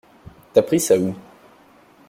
T'as pris ça où?